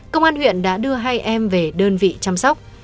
công an huyện đã đưa hai em về đơn vị chăm sóc